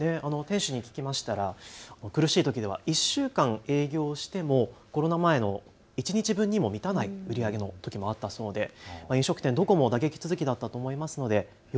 店主に聞きましたが苦しいときでは１週間営業してもコロナ前の一日分にも満たないときもあったそうで飲食店、どこも打撃続きだったと思います。